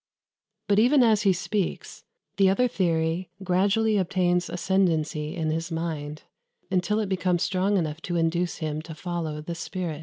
But even as he speaks, the other theory gradually obtains ascendency in his mind, until it becomes strong enough to induce him to follow the spirit.